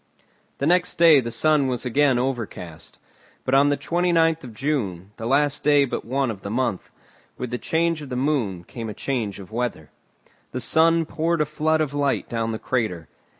The next day the sky was again overcast; but on the 29th of June, the last day but one of the month, with the change of the moon came a change of weather. The sun poured a flood of light down the crater.